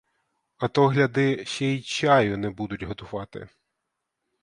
А то, гляди, ще й чаю не будуть готувати.